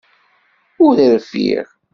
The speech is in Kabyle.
Ur rfiɣ!